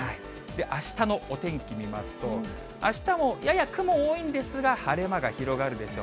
あしたのお天気見ますと、あしたもやや雲多いんですが、晴れ間が広がるでしょう。